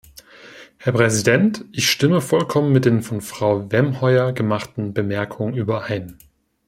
Herr Präsident, ich stimme vollkommen mit den von Frau Wemheuer gemachten Bemerkungen überein.